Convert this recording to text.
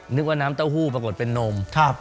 นึกว่าน้ำเต้าหู้ปรากฏเป็นนม